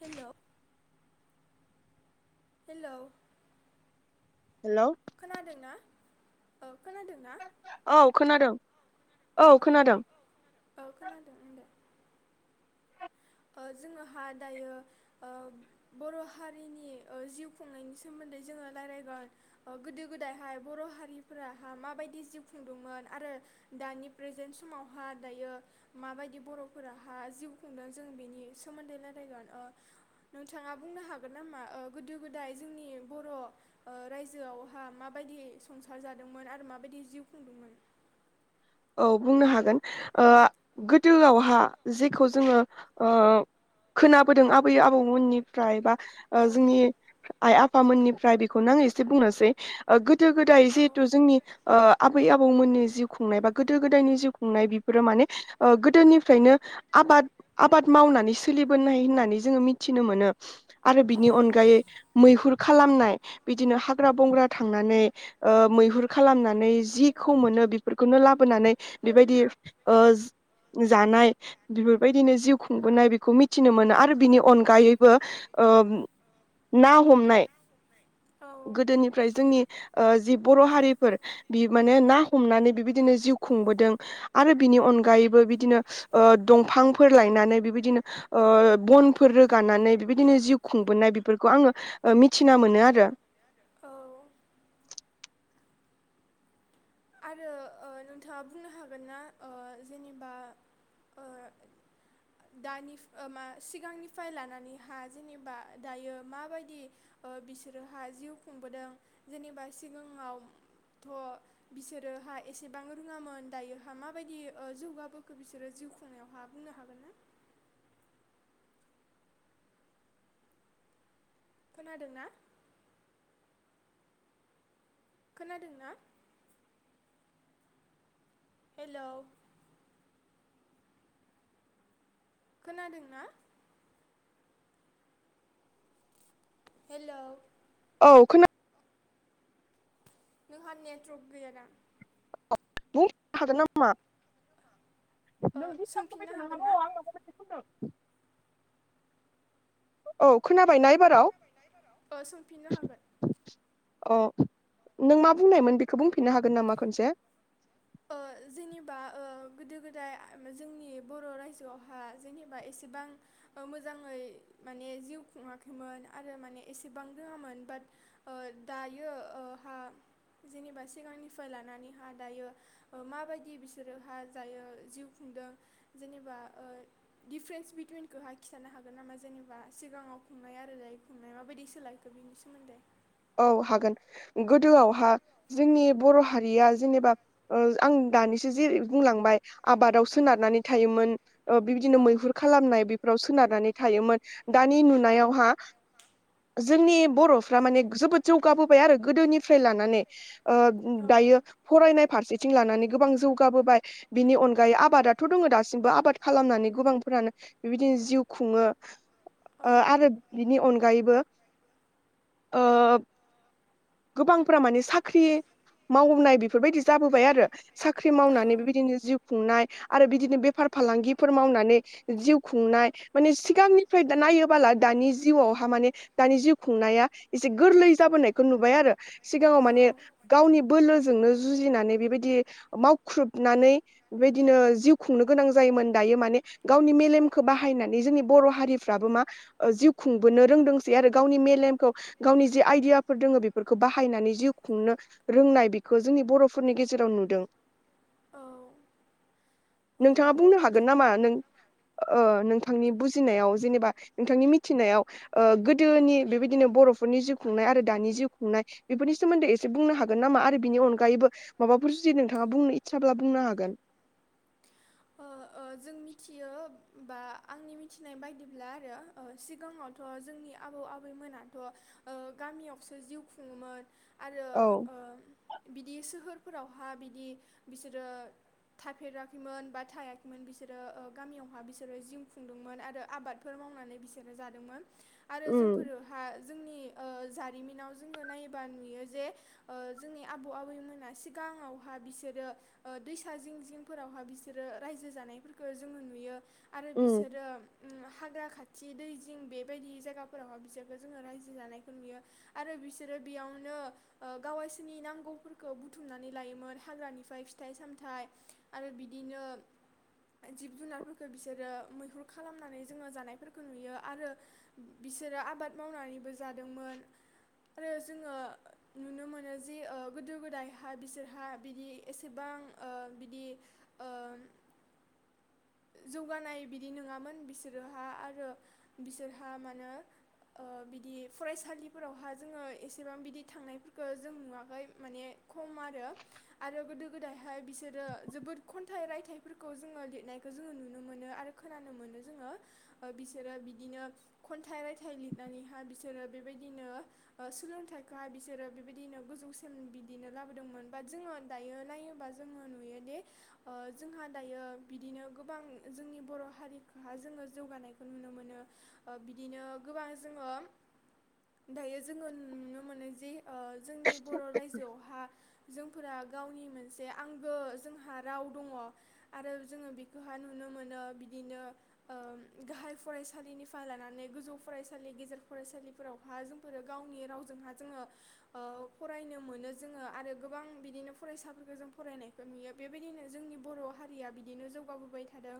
हेल' hello खोनादों ना? औ खोनादों अ अ औ खोनादों आंबो ओ जोङोहा दायो ओ बर' हारिनि जिउ खुंनायनि सोमोन्दै जोङो रायलायगोन ओ गोदो गोदायहाय बर' हारिफोराहा माबायदि जिउ खुंदोंमोन आरो दानि प्रेजेन्ट समावहा दायो माबायदि बर'फोराहा जिउ खुंदों जों बेनि सोमोन्दै रायलायगोन ओ नोंथाङा बुंनो हागोन नामा गोदो गोदाय जोंनि बर' रायजोआवहा माबायदि संसार जादोंमोन आरो माबायदि जिउ खुंदोंमोन। औ बुंनो हागोन ओ गोदोआवहा जेखौ जोङो खोनाबोदों आबै आबौमोननिफ्राय बा ओ जोंनि आइ आफ फामोननिफ्राय बेखौनो आङो एसे बुंनोसै ओ गो दो गोदाय जिहेथु जोंनि ओ आब बै आबौमोननि जिउ खुंनाय बा गोदो गोदायनि जिउ खुंनाय बेफोरो माने ओ गोदोनिफ्रायनो आबाद आबाद मावनानै सोलिबोनाय होननानै जोङो मिथिनो मोनो। आरो बिनि अनगायै मैहुर खालामनाय बिदिनो हाग्रा बंग्रा थांनानै ओ मैहुर खालामनानै जिखौ मोनो बेफोरखौनो लाब बोनानै बेबायदि ओ जानाय बेफोरबायदिनो जिउ खुंबोनाय बेखौ मिथिनो मोनो आरो बिनि अनगायैबो ना हमनाय गोदोनिफ्राय जोंनि ओ जि बर' हारिफोर बि माने ना हमनानै बिबायदिनो जिउ खुंबोदों आरो बिनि अनगायैबो बिदिनो ओ दंफांफोर लायनानै बिबायदिनो बनफोर रोगानानै बेबायदिनो जिउ खुंबोनाय बेफोरखौ आङो मि थिना मोनो आरो आरो ओ नोंथाङा बुंनो हागोन ना ओ जेनेबा ओ दानि मा सिगांनिफ्राय लानानैहा जेनेबा दायो माबायदि बिसोरोहा जिउ खुंबोदों जेनेबा सिगाङावथ' बिसोरोहा एसेबां रोङामोन दायोहा माबायदि जौगाबोखो ओ बिसोरो जिउ खुंनायावहा बुंनो हागोन न खोनादों ना खोनादों ना हेलौ खोनादोंना हेलौ औ खोनादों नोंहा नेटवर्क गैया दा मुं हागोन मा [unintelligible] औ खोनाबायना एबाराव औ सोंफिन्नो हागोन अ नों मा बुंनायमोन बेखौ बुंफिननो हागोन नामा खनसे ओ जेनेबा ओ गोदो गोदाय जोंनि बर' रायजोआवहा जेनेबा एसेबां मोजाङै ओ माने जिउ खुङाखैमोन आरो माने एसेबां रोङामोन बाट ओ दायो ओ हा जेनेबा सिगांनिफ्राय लानानैहा दायो ओ माबायदि बिसोरोहा जायो जिउ खुंदों जेनेबा डफारेन्स बिटुइनखौहा खिथानो हागोन नामा जेनेबा सिगाङाव खुंनाय आरो जाय खुंनाय माबायदि सोलायखो बिनि सोमोन्दै औ हागोन गोदोआवहा जोंनि बर' हारिया जेनेबा आं दानिसो जि बुंलांबाय आबादाव सोनारनानै थायोमोन ओ बिबदिनो मैहुर खालामनाय बेफोराव सोनारनानै थायोमोन दानि नुनायावहा जोंनि बर'फ्रा माने जोबोद जौगाबोबाय आरो गोदोनिफ्राय लानानै दायो फरायनाय फारसेथिं लानानै गोबां जौगाबोबाय बिनि अनगायै आबादाथ' दङ दासिमबो आबाद खालामनानै गोबांफोरानो बिबायदिनो जिउ खुङो आरो बिनि अनगायैबो ओ गोबांफोरा माने साख्रि मावनाय बेफोरबायदि जाबोबाय आरो साख्रि मावनानै बेबायदिनो जिउ खुंनाय आरो बिदिनो बेफार फालांगिफोर मावनानै जिउ खुंनाय माने सिगांनिफ्राय दा नायोबोला दानि जिउआवहा माने दानि जिउ खुंनाया एसे गोरलै जाबोनायखौ नु बाय आरो सिगाङाव माने गावनि बोलो जोंनो जुजिनानै बेबादि मावख्रुबनानै बेबादिनो जिउ खुंनो गोनां जायोमोन दायो मानि गावनि मेलेमखौ बाहायनानै जोंनि बर' हारिफ्राबो मा जिउ खुंबोनो रोंदोंसै आरो गावनि जे मेलेमखौ गावनि जे आयदियाफोर दङ फोरखौ बाहायनानै जिउ खुंनो रोंनाय बेखौ जोंनि बर'फोरनि गेजेराव नुदों नोंथाङा बुंनो हागोन नामा नों ओ नोंथांनि बुजिनायाव जेनेबा नोंथांनि मिथिनायाव ओ गोदोनि बेबायदिनो बर'फोरनि जिउ खुंनाय आरो दानि जिउ खुं नुनाय बेफोरनि सोमोन्दै एसे बुंनो हागोन नामा आरो बिनि अनगायैबो माबाफोर जुदि नोंथाङा बुंनो इसाब्ला बुंनो हागोन जों मिथियो बा आंनि मिथिनाय बायदिब्ला आरो सिगाङावथ' जोंनि आबौ आबैमोनाथ' ओ गामियावसो जिउ खुङोमोन। आरो ओ बिदि सोहोर फोरावहा बिदि बिसोरो थाफेराखैमोन बा थायाखै बिसोरो गामियावहा बिसोरो जिउ खुंदोंमोन आरो आबादफोर मावनानै बिसोरो जादोंमोन आरो जोंफोरहा जोंनि जारिमिनाव जोङो नायोबा नुयो ओ जे जोंनि आबौ आबैमोना सिगाङावहा बिसोरो दैसा जिं जिंफोरावहा बिसोरो रायजो जानायफोरखौ जोङो नुयो आरो बिसोरो हाग्रा खाथि दैजिं बेबायदि जायगाफोरावहाय बिसोरखौ जोङो रायजो जानायखौ नुयो आरो बिसोरो बेयावनो ओ गावैसोरनि नांगौफोरखौ बुथुमनानै लायोमोन हाग्रानिफ्राय फिथाइ सामथाइ आरो बिदिनो जिब जुनारफोरखौ बिसोरो मैहुर खालामनानै जोङो जानायफोरखौ नुयो आरो बिसोरो आबाद मावनानैबो जादोंमोन आरो जोङो नुनो मोनो जे गोदो गोदायहाय बिसोरहा बिदि एसेबां बिदि जौगानाय बिदि नङामोन बिसोरोहा आरो बिसोरहा मान बिदि फरायसालिफोरावहा जोङो एसेबां बिदि थांनायफोरखौ जों नुवाखै माने खम आरो आरो गोदो गोदायहाय बिसोरो जोबोद खन्थाइ रायथाइ फोरफोरखौ जोङो लिरनायखौ जोङो नुनो मोनो आरो खोनानो मोनो जोङो बिसोरो बिदिनो खन्थाइ रायथाइ लिरनानैहाय बिसोरो बेबायदिनो सोलोंथाइखौहाय बिसोरो बेबायदिनो गोजौसिम बिदिनो लाबोदोंमोन बाट जोङो दायो नायोबा जोङो नुयोदि जोंहा दायो बिदिनो गोबां जोंनि बर' हारिखौहा जोङो जौगानायखौ नुनो मोनो बिदिनो गोबां जोङो दायो जोङो नुनो मोनो जे जोंनि बर' रायजोआवहा जोंफोरा गावनि मोनसे आंबो जोंहा राव दङ आरो जोङो बेखौहा नुनो मोनो बिदिनो गाहाय फरायसालिनिफ्राय लानानै गोजौ फरायसालि गेजेर फरायसालिफोरावहा जोंफोरो गावनि रावजोंहा जोङो फरायनो मोनो जोङो आरो गोबां बिदिनो फरायसाफोरखौ जों फरायनायखौ नुयो बेबायदिनो जोंनि बर' हारिया बिदिनो जौगाबोबाय थादों।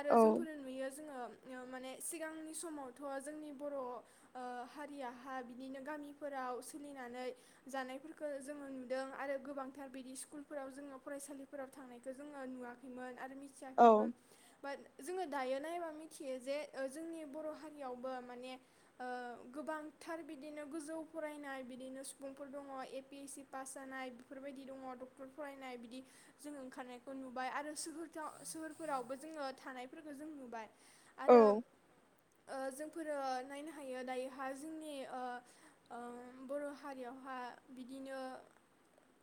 आरो जोंफोरनो नुयो जोङो माने सिगांनि समावथ' जोंनि बर' हारियाहा बिदिनो गामिफोराव सोलिनानै जानायफोरखौ जोङो नुदों आरो गोबांथार बिदि स्कुलफोराव जोङो फरायसालिफोराव थांनाय। ' जोङो नुवाखैमोन आरो मिथियाखैमोन बाट जोङो दायो नायोबा मिथियो जे जोंनि बर' हारियावबो माने ओ गोबांथार बिदिनो गोजौ फरायनाय बिदिनो सुबुंफोर दङ A P S C pass जानाय बेफोरबायदि दङ डक्टर फरायनाय बिदि जोङो ओंखारनाय खौ नुबाय आरो सोहोर सोहोरफोरावबो जोङो थानायफोरखौ जों नुबाय आरो ओ जों फोरो नायनो हायो दायोहा ओ ओ जोंनि बर' हारियावहा बिदिनो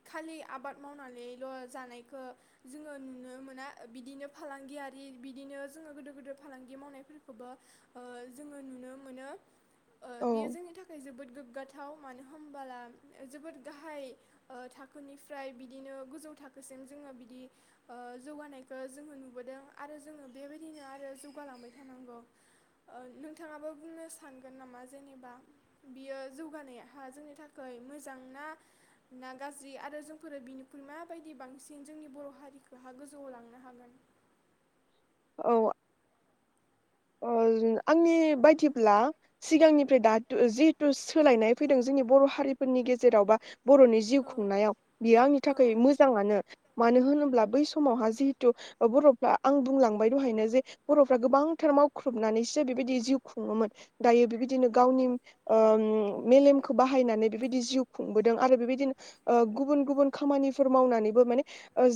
खालि आबाद मावनानैल' जानायखौ जोङो नुनो मोना बिदिनो फालांगियारि बिदिनो जोङो गोदो गोदेर फालांगि मावनायफोरखौबो जोङो नुनो मोनो ओ बियो जोंनि थाखाय जोबोद गोग्गाथार थाव मानो होनोमबोला जोबोद गाहाय थाखोनिफ्राय बिदिनो गोजौ थाखोसिम जोङो बिदि ओ जौगानायखौ जोङो नुबोदों आरो जोङो बेबायदिनो आरो जौगालांबाय थानांगौ नोंथाङाबो बुंनो सानगोन नामा जेनेबा बियो जौगानाया जोंनि थाखाय मोजां ना ना गाज्रि आरो जोंफोरो बिनिख्रइ माबायदि बांसिन जोंनि बर' हारिखौहा गोजौआव लांनो हागोन औ आंनि बायदिब्ला सिगांनिफ्राय द जिहेथु सोलायनाय फैदों जोंनि बर' हारिफोरनि गेजेराव बा बर'नि जिउ खुंनायाव बियो आंनि थाखाय मोजाङानो। मानो होनोब्ला बै समावहा जिहेथु बर'फ्रा आं बुंलांबाय दहायनो जे बर'फ्रा गोबां फोथार मावख्रुबनानैसो बेबायदि जिउ खुङोमोन दायो बेबायदिनो गावनि मेलेमखौ बाहायनानै बेबायदि जिउ खुंबोदों आरो बेबायदिनो गुबुन गुबुन खामानिफोर मावनानैबो माने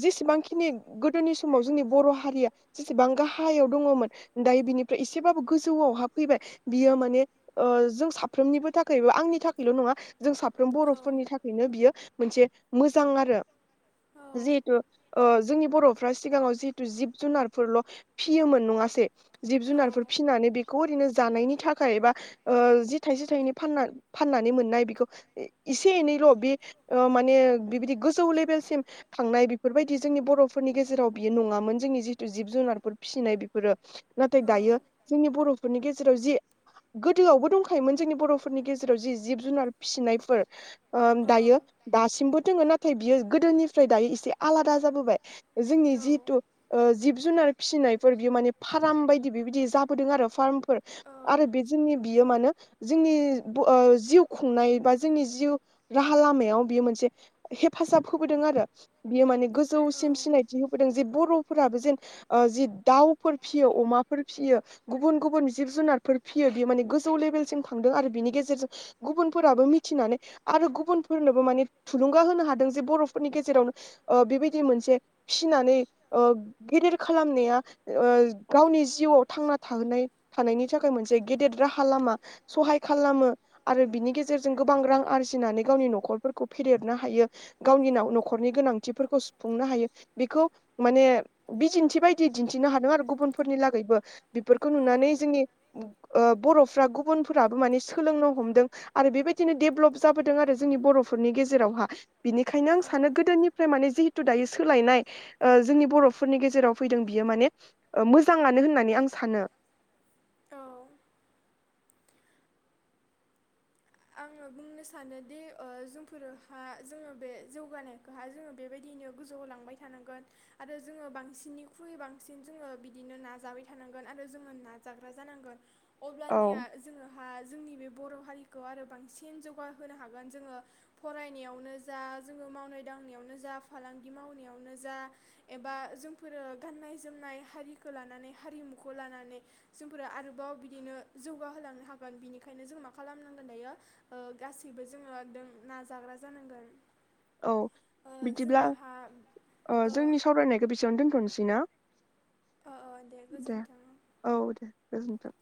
जेसेबांखिनि गोदोनि समाव जोंनि बर' हारिया जेसेबां गाहायाव दङमोन दायो बिनिफ्राय एसेबाबो गोजौआव हाब फैबाय बियो माने जों साफ्रोमनिबो थाखाय आंनि थाखायल' नङा जों साफ्रोम बर'फोरनि थाखायनो बियो मोनसे मोजां आरो जिहेतु जोंनि बर'फ्रा सिगाङाव जिहेथु जिब जुनारफोरल' फियोमोन नङासै जिब जुनारफोर फिनानै बेखौ ओरैनो जानायनि थाखाय बा जि थाइसे थाइनै फानना फाननानै मोननाय बेखौ एसे एनैल' बे माने बिबायदि गोजौ लेभेलसिम थांनाय बेफोरबायदि जोंनि बर'फोरनि गेजेराव बियो नङामोन जोंनि जितु जिब जुनारफोर फिसिनाय बेफोरो नाथाय दायो जोंनि बर' फोरनि गेजेराव जि गोदोआवबो दंखायोमोन जोंनि बर'फोरनि गेजेराव जि जिब जुनार फिसिनायफोर ओम दायो दासिमबो दोङो ना थाय बियो गोदोनिफ्राय दायो एसे आलादा जाबोबाय। जोंनि जिथु ओ जिब जुनार फिसिनायफोर बियो माने फा फार्म बायदि बेबायदि जाबोदों आरो फार्म फोर आरो बे जोंनि बियो मानोे जोंनि जिउ खुंनाय बा जोंनि जिउ राहा लामायाव बियो मोनसे हेफाजाब होबोदों आरो बियो माने गोजौसिम सिनायथि होबोदों जे बर' फोराबो जेन ओ जि दाउफोर फियो अमाफोर फियो गुबुन गुबुन जिब जुनारफोर फियो बेयो माने गोजौ लेभेलसिम थांदों आरो बिनि गेजेरजों गुबुनफोराबो मिथिनानै आरो गुबुनफोरनोबो माने थुलुंगा होनो हादों जे बर'फोरनि गेजेरावनो ओ बेबायदि मोनसे फिनानै ओ गेदेर खालामनाया ओ गावनि जिउआव थांना थोनाय थानायनि थाखाय मोनसे गेदेर राहा लामा सहाय खालामो आरो बिनि गेजेरजों गोबां रां आरजिनानै गावनि न'खरफोरखौ फेदेरनो हायो गावनिनाव न'खरनि गोनांथिफोरखौ सुफुंनो हायो बेखौ माने बिदिन्थि बायदि दिन्थिनो हादों आरो गुबुन फोरनि लागैबो। बेफोरखौ नुनानै जोंनि ओ बर'फ्रा गुबुनफोराबो माने सोलोंनो हमदों आरो बेबायदिनो डेभलप जाबोदों आरो जोंनि बर'फोरनि गेजेरावहा बिनिखायनो आं सानो गोदोनिफ्राय माने जिहेथु दायो सोलायनाय ओ जोंनि बर'फोरनि गेजेराव फैदों बियो माने मो मोजांआनो होननानै आं सानो। आङो बुंनो सानोदि ओ जोंफोरहा जोङो बे जौगानायखौहाय जोङो बेबायदिनो गोजौ होलांबाय थानांगोन आरो जोङो बांसिननिख्रुइ बांसिन जोङो बिदिनो नाजाबाय थानांगोन आरो जोङो नाजाग्रा जानांगोन। अब्लानिया जोङोहा जोंनि बे बर' हारिख खौ आरो बांसिन जौगाहोनो हागोन जोङो फरायनायावनो जा जोङो मावनाय दांनायावनो जा फालांगि मावनायावनो जा एबा जोंफोरो गाननाय जोमनाय हारिखो लानानै हारिमुखो लानानै जोंफोरो आरोबाव बिदिनो जौगाहोलांनो हागोन बिनिखायनो जों मा खालामनां दायो गासैबो जोङो एकदम नाजाग्रा जानांगोन। औ बिदिब्ला ओ जोंनि सावरायनायखो बेसेआवनो दोनथ'नोसै ना? दे औ दे गोजोनथों।